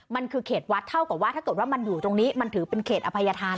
มันคือเขตวัดเท่ากับว่าถ้าเกิดว่ามันอยู่ตรงนี้มันถือเป็นเขตอภัยธาน